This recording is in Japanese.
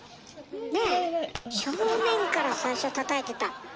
ねえ正面から最初たたいてた。